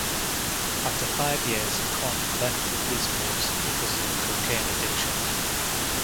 After five years Conn left the police force because of cocaine addiction.